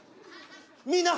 みんな！